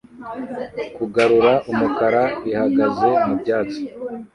Kugarura umukara bihagaze mu byatsi